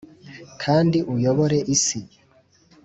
kandi uyobore isi? '